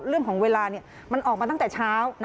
เรื่องของเวลามันออกมาตั้งแต่เช้า